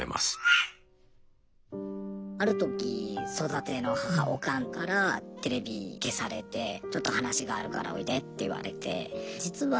ある時育ての母オカンからテレビ消されてちょっと話があるからおいでって言われて。